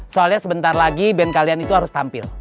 soalnya sebentar lagi band kalian itu harus tampil